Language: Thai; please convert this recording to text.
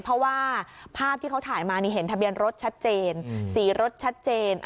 เพราะว่าภาพที่เขาถ่ายมานี่เห็นทะเบียนรถชัดเจนสีรถชัดเจน